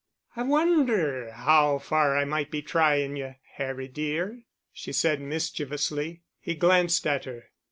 "I wonder how far I might be trying you, Harry dear," she said mischievously. He glanced at her.